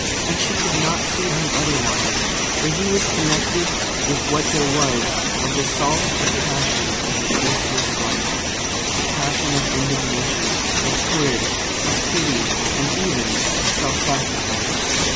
And she could not see him otherwise, for he was connected with what there was of the salt of passion in her tasteless life—the passion of indignation, of courage, of pity, and even of self sacrifice.